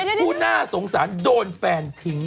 พระเอกผู้หน้าสงสารโดนแฟนทิ้ง